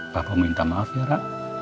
papa minta maaf ya rara